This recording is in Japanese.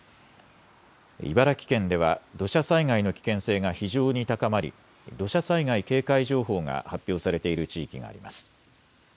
茨城県では土砂災害の危険性が非常に高まり土砂災害警戒情報が発表されている地域があります。